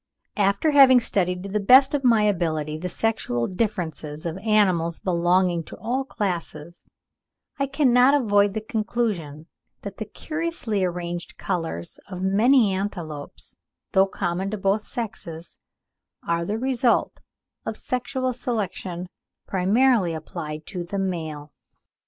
') After having studied to the best of my ability the sexual differences of animals belonging to all classes, I cannot avoid the conclusion that the curiously arranged colours of many antelopes, though common to both sexes, are the result of sexual selection primarily applied to the male.